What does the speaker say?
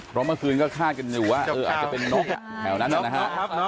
เราเมื่อคืนก็คาดก็อยู่ว่าเอ้อจะเป็นนกนะแบบนั้นน่ะนะคะ